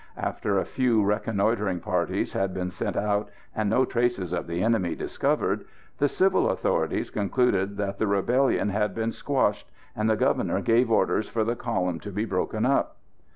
After a few reconnoitring parties had been sent out, and no trace of the enemy discovered, the civil authorities concluded that the rebellion had been squashed, and the Governor gave orders for the column to be broken up.